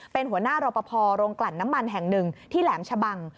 เป็นหัวหน้ารอปภโรงกลั่นน้ำมันแห่งหนึ่งที่แหลมชะบัง